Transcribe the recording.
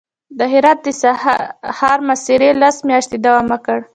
د هرات د ښار محاصرې لس میاشتې دوام وکړ.